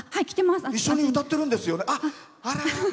一緒に歌ってるんですよね。